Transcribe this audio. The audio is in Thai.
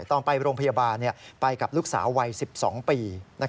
ตอนไปโรงพยาบาลไปกับลูกสาววัย๑๒ปี